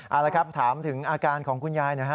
เอาละครับถามถึงอาการของคุณยายหน่อยฮะ